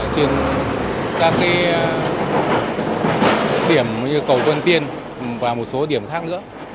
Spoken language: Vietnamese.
trên các điểm như cầu vân tiên và một số điểm khác nữa